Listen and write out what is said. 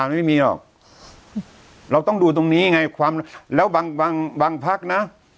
ไม่มีหรอกเราต้องดูตรงนี้ไงความแล้วบางบางพักนะ